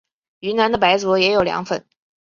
云南的白族也有凉粉。